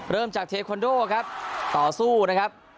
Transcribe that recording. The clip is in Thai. เริ่มจากเทควันโดต่อสู้นะครับ